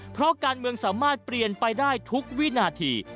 เพราะการเมืองสามารถเปลี่ยนไปได้ทุกวินาที